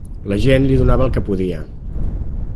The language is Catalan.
La gent li donava el que podia.